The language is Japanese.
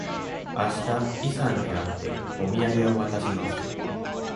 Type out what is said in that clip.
あしたイさんに会って、お土産を渡します。